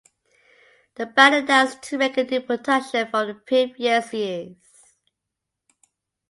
The band announced to make a new production from the previous years.